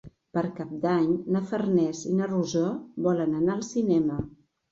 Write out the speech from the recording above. Per Cap d'Any na Farners i na Rosó volen anar al cinema.